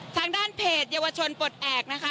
ทางด้านเพจเยาวชนปลดแอบนะคะ